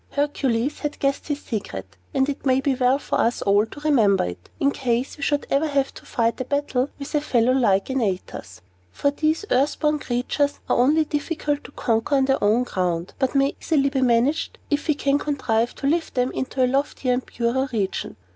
Hercules had guessed this secret; and it may be well for us all to remember it, in case we should ever have to fight a battle with a fellow like Antaeus. For these earth born creatures are only difficult to conquer on their own ground, but may easily be managed if we can contrive to lift them into a loftier and purer region.